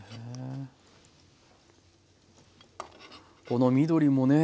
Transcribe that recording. この緑もね